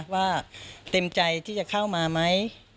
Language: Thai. ว่าเต็มใจที่จะเข้ามาไหม